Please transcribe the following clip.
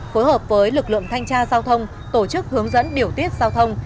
phối hợp với lực lượng thanh tra giao thông tổ chức hướng dẫn điều tiết giao thông